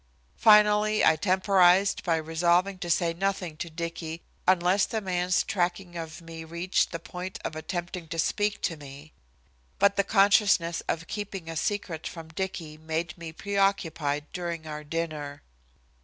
Finally I temporized by resolving to say nothing to Dicky unless the man's tracking of me reached the point of attempting to speak to me. But the consciousness of keeping a secret from Dicky made me pre occupied during our dinner.